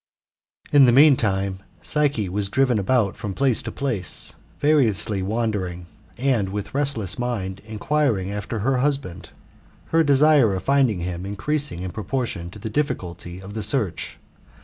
In the meantime, Psyche was driven about from place to place, variously wandering, and with restless mind inquiring after her husband ; her desire of finding him increasing in proportion to the difficulty of the search.